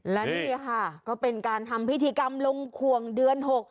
และนี่ค่ะก็เป็นการทำพิธีกรรมลงขวงเดือน๖